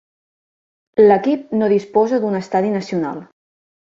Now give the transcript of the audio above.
L'equip no disposa d'un estadi nacional.